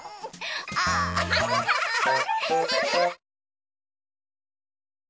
アハハハハ！